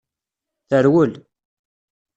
Terwel.